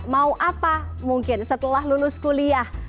mau apa mungkin setelah lulus kuliah